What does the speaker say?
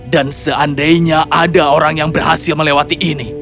dan seandainya ada orang yang berhasil melewati ini